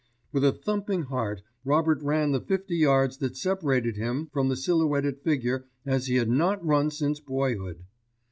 With a thumping heart, Robert ran the fifty yards that separated him from the silhouetted figure as he had not run since boyhood.